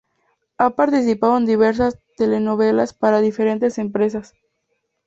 Ha participado en diversas telenovelas para diferentes empresas.